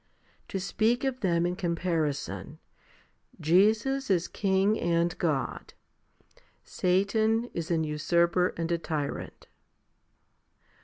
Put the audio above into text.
To speak of them in comparison, Jesus is King and God \ Satan is an usurper and a tyrant.